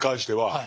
はい。